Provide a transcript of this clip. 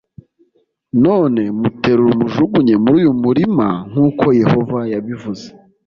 None muterure umujugunye muri uyu murima nk uko Yehova yabivuze